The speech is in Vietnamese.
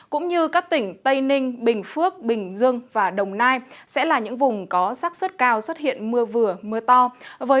cũng như các tỉnh tây ninh bình phước bình dương và đồng nai sẽ là những vùng có sắc xuất cao xuất hiện mưa vừa mưa to